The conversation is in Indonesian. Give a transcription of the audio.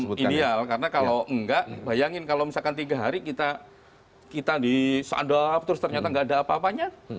belum ideal karena kalau enggak bayangin kalau misalkan tiga hari kita kita disadap terus ternyata nggak ada apa apanya